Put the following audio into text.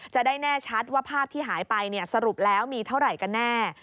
จะได้แน่ชัดว่าภาพที่หายไปสรุปแล้วมีเท่าไหร่กันแน่